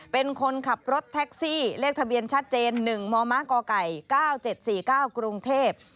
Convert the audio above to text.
เป็นคนขับรถแท็กซี่เลขทะเบียนชัดเจน๑มมกไก่๙๗๔๙กรุงเทพ